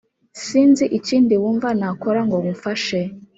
sinzi ikindi wumva nakora ngo nkufashe